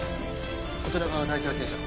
こちらが第一発見者の。